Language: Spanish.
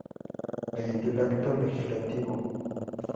Mediante el Acto Legislativo No.